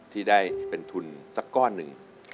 ที่ได้เป็นทุนสักก้อนหนึ่ง